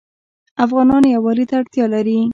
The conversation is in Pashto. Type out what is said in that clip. افغانان یووالي ته اړتیا لري.